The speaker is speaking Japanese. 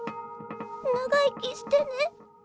長生きしてね。